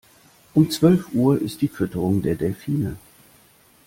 Um zwölf Uhr ist die Fütterung der Delfine.